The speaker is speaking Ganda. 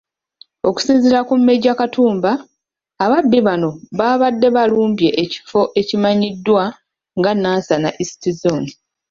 Okusinziira ku Maj. Katamba, ababbi bano baabadde balumbye ekifo ekimanyiddwa nga Nansana East zooni.